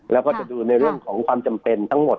แล้วก็จะดูในเรื่องของความจำเป็นทั้งหมด